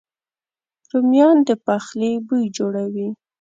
رومیان د پخلي بوی جوړوي